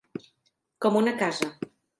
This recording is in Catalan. Com una casa.